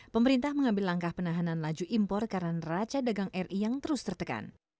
pemerintah mengambil langkah penahanan laju impor karena neraca dagang ri yang terus tertekan